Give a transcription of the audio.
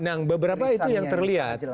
nah beberapa itu yang terlihat